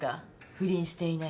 不倫していないと。